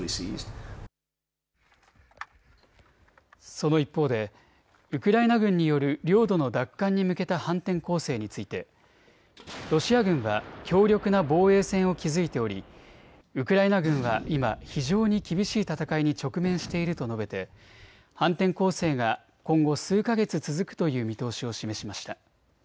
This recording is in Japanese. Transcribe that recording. その一方でウクライナ軍による領土の奪還に向けた反転攻勢についてロシア軍は強力な防衛線を築いており、ウクライナ軍は今、非常に厳しい戦いに直面していると述べて反転攻勢が今後数か月続くという見通しを示しました。